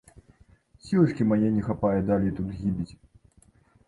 Сілачкі мае не хапае далей тут гібець.